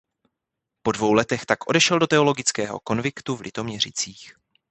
Po dvou letech tak odešel do Teologického konviktu v Litoměřicích.